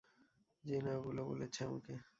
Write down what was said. জিনা ওগুলো বলেছে আমাকে।